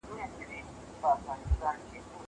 زه مخکي د کتابتوننۍ سره مرسته کړې وه!